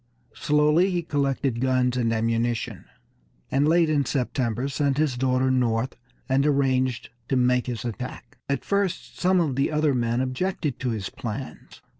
Slowly he collected guns and ammunition, and late in September sent his daughter north, and arranged to make his attack. At first some of the other men objected to his plans.